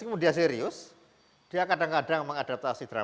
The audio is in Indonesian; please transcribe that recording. hegelografi pajaman hegelografi ajaplarina dan